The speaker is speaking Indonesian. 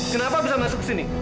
kenapa bisa masuk ke sini